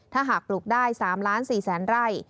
ถ้าหากปลูกได้๓๔๐๐๐ไร่